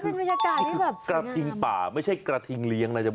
นี่คือกระทิงป่าไม่ใช่กระทิงเลี้ยงน่าจะบอก